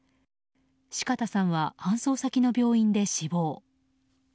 四方さんは搬送先の病院で死亡。